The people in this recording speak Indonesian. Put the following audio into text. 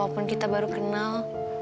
walaupun kita baru kenal